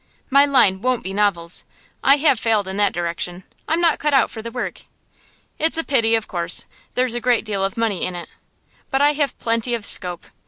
My line won't be novels; I have failed in that direction, I'm not cut out for the work. It's a pity, of course; there's a great deal of money in it. But I have plenty of scope.